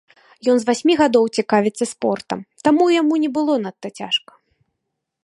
Ён з васьмі гадоў цікавіцца спортам, таму яму не было надта цяжка.